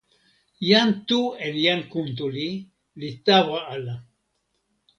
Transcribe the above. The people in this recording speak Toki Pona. jan Tu en jan Kuntuli li tawa ala.